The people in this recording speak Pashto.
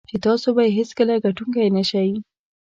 چې تاسو به یې هېڅکله ګټونکی نه شئ.